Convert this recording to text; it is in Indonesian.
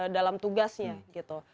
dalam tugasnya gitu